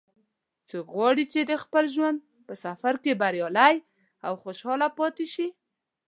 څوک غواړي چې د خپل ژوند په سفر کې بریالی او خوشحاله پاتې شي